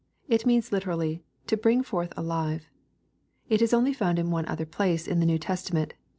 It means literally, " to bring forth alive." It is only found in one other placa in the New Testament.